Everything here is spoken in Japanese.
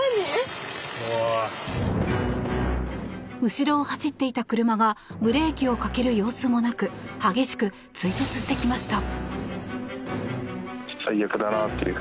後ろを走っていた車がブレーキをかける様子もなく激しく追突してきました。